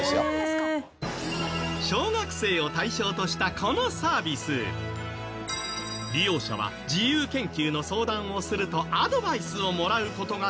小学生を対象としたこのサービス利用者は自由研究の相談をするとアドバイスをもらう事ができる。